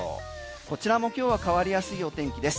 こちらも今日は変わりやすいお天気です。